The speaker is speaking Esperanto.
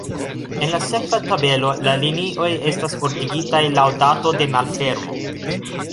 En la sekva tabelo la linioj estas ordigitaj laŭ dato de malfermo.